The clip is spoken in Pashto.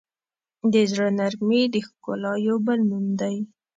د زړه نرمي د ښکلا یو بل نوم دی.